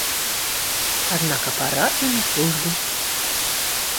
Однако пора и на службу